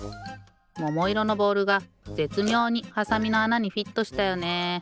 ももいろのボールがぜつみょうにはさみのあなにフィットしたよね。